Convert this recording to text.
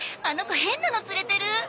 あの子変なの連れてる！